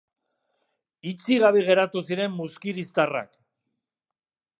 Hitzik gabe geratu ziren muzkiriztarrak!